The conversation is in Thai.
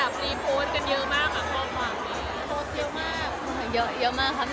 อ๋อเห็นค่ะก็หนูดูเองก็ว่ามันน่ารักชาติค่ะ